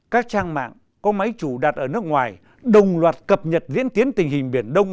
các trang mạng có máy chủ đặt ở nước ngoài đồng loạt cập nhật diễn tiến tình hình biển đông